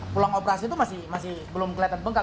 pulang operasi itu masih belum kelihatan bengkak